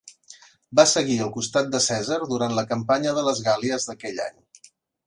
Va seguir al costat de Cèsar durant la campanya de les Gàl·lies d'aquell any.